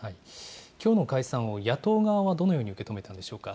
きょうの解散を野党側はどのように受け止めたんでしょうか。